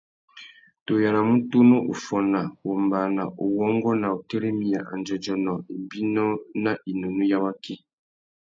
Tu yānamú tunu uffôna, wombāna, uwôngô na utirimiya andjôdjônô, ibinô na inúnú ya waki.